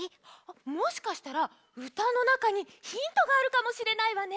もしかしたらうたのなかにヒントがあるかもしれないわね。